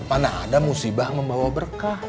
mana ada musibah membawa berkah